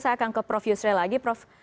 saya akan ke prof yusril lagi prof